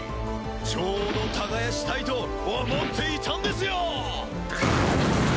ちょうど耕したいと思っていたんですよ！